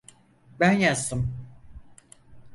Ben yazdım.